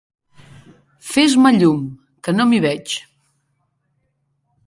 Fes-me llum, que no m'hi veig!